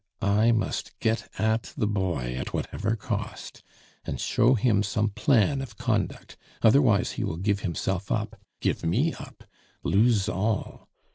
I must get at the boy at whatever cost, and show him some plan of conduct, otherwise he will give himself up, give me up, lose all!